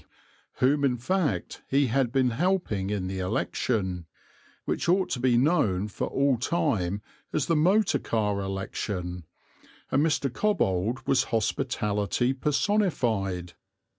whom in fact he had been helping in the election, which ought to be known for all time as the motor car election, and Mr. Cobbold was hospitality personified.